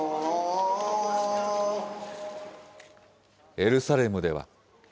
エルサレムでは。